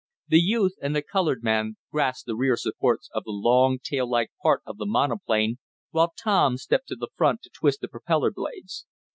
The youth and the colored man grasped the rear supports of the long, tail like part of the monoplane while Tom stepped to the front to twist the propeller blades.